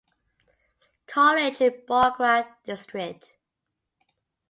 College in Bogra District.